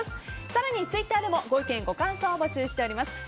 更にツイッターでもご意見、ご感想を募集しています。